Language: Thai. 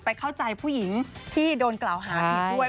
เข้าใจผู้หญิงที่โดนกล่าวหาผิดด้วย